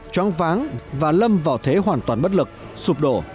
choáng váng và lâm vào thế hoàn toàn bất lực sụp đổ